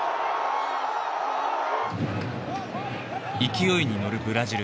勢いに乗るブラジル。